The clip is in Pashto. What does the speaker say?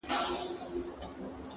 په تش دیدن به یې زړه ولي ښه کومه.!